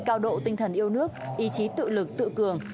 cao độ tinh thần yêu nước ý chí tự lực tự cường